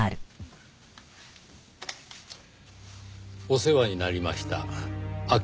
「お世話になりました。